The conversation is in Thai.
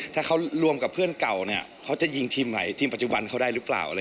ถ้าเขารวมกับเพื่อนเก่าเนี่ยเขาจะยิงทีมไหนทีมปัจจุบันเขาได้หรือเปล่า